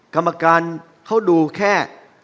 กรรมการเขาดูแค่